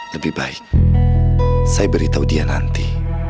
lebih baik saya beritahu dia nanti